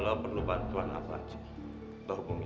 lepas lu lupa sebentar aja lepas